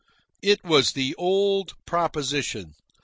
It was the old proposition.